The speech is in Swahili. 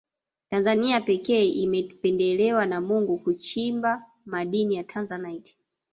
tanzania pekee imependelewa na mungu kuchimba madini ya tanzanite